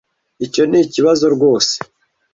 Icyo nikibazo rwose.